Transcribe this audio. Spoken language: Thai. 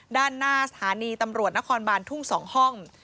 ด้านหน้าสถานีตำรวจนครบานทุ่ง๒ห้อง